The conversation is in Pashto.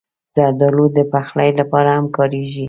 زردالو د پخلي لپاره هم کارېږي.